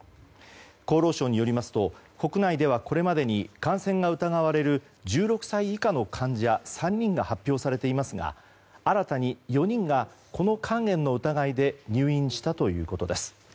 厚労省によりますと国内ではこれまでに感染が疑われる１６歳以下の患者３人が発表されていますが新たに４人がこの肝炎の疑いで入院したということです。